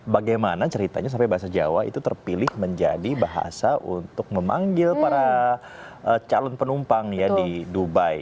bagaimana ceritanya sampai bahasa jawa itu terpilih menjadi bahasa untuk memanggil para calon penumpang ya di dubai